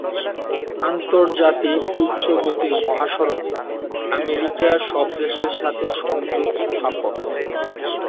আন্তর্জাতিক উচ্চ গতির মহাসড়ক আমেরিকা সব দেশের সাথে সংযোগ স্থাপন।